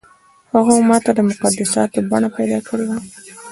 هغو ماته د مقدساتو بڼه پیدا کړې وه.